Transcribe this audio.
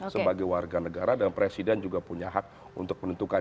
sebagai warga negara dan presiden juga punya hak untuk menentukan